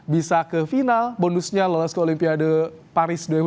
bisa ke final bonusnya lolos ke olimpiade paris dua ribu dua puluh